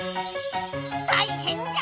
たいへんじゃ！